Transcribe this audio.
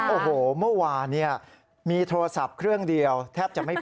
โอ้โหเมื่อวานเนี่ยมีโทรศัพท์เครื่องเดียวแทบจะไม่พบ